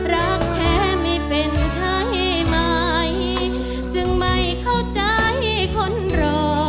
รักแท้ไม่เป็นใช่ไหมจึงไม่เข้าใจคนรอ